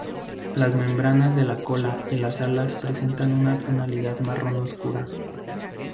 Las membranas de la cola y las alas presentan una tonalidad marrón oscura.